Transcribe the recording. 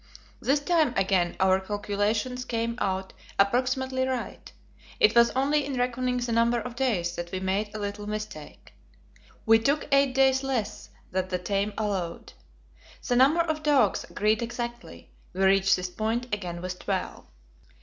This time again our calculations came out approximately right; it was only in reckoning the number of days that we made a little mistake we took eight days less than the time allowed. The number of dogs agreed exactly; we reached this point again with twelve.